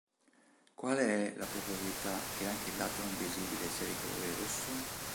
Qual è la probabilità che anche il lato non visibile sia di colore rosso?